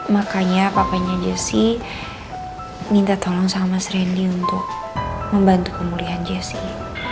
makanya papahnya jessy minta tolong sama mas rendy untuk membantu pemulihan jessy